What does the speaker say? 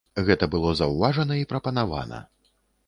Гэта было заўважана і прапанавана.